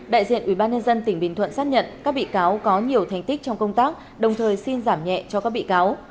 đại diện ubnd tỉnh bình thuận xác nhận các bị cáo có nhiều thành tích trong công tác đồng thời xin giảm nhẹ cho các bị cáo